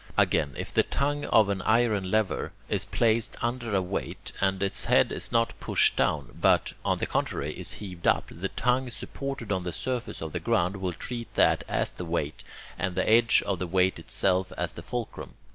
Again, if the tongue of an iron lever is placed under a weight, and its head is not pushed down, but, on the contrary, is heaved up, the tongue, supported on the surface of the ground, will treat that as the weight, and the edge of the weight itself as the fulcrum.